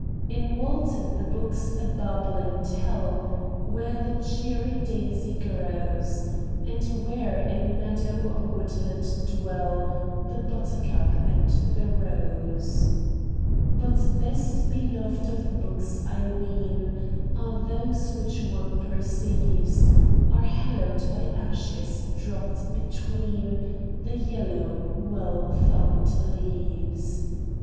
In Walton the brooks a babbling tell Where the cheery daisy grows, And where in meadow or woodland dwell The buttercup and the rose. But best beloved of books, I ween, Are those which one perceives Are hallowed by ashes dropped between The yellow, well thumbed leaves.